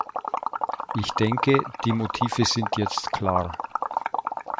Ich denke, die Motive sind jetzt klar.